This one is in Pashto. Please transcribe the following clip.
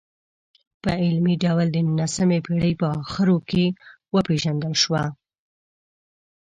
په علمي ډول د نولسمې پېړۍ په اخرو کې وپېژندل شوه.